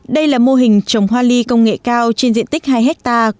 đây là mô hình trồng hoa ly công nghệ cao trên diện tích hai hectare